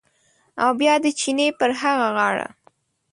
او بیا د چینې پر هغه غاړه